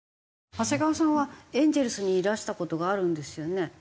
長谷川さんはエンゼルスにいらした事があるんですよね？